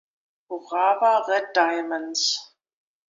Urawa Red Diamonds